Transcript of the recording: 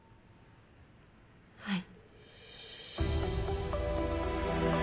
はい。